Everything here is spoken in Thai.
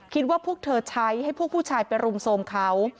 คิดว่าพวกเธอใช้ให้พวกผู้ชายไปรุมโทรมเขา